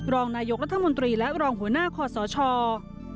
รองนายกละทะมนตรีและรองหัวหน้าคอสอชทร์